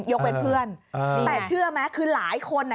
ยกเป็นเพื่อนแต่เชื่อมั้ยคือหลายคน